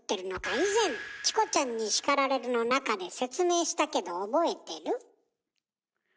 以前「チコちゃんに叱られる！」の中で説明したけど覚えてる？